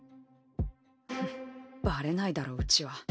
ふっバレないだろううちは。